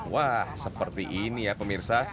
wah seperti ini ya pemirsa